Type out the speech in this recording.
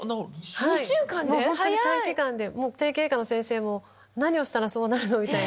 ２週間で⁉整形外科の先生も何をしたらそうなるの？みたいな。